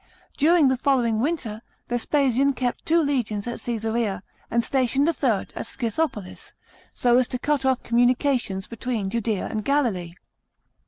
During the following winter, Vespasian kept two legions at Cagsarea, and stationed the third at Scyihopolis, so as to cut off communications between Judea and Galilee.